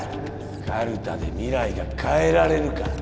カルタで未来が変えられるか。